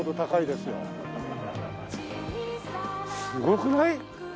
すごくない？